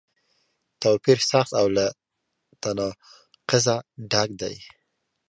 توپیر سخت او له تناقضه ډک دی.